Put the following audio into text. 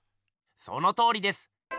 そのとおりです！